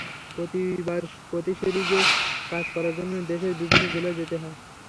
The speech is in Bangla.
প্রতিবার প্রতি সিরিজে কাজ করার জন্য দেশের বিভিন্ন জেলায় যেতে হয়।